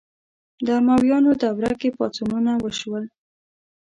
د امویانو دوره کې پاڅونونه وشول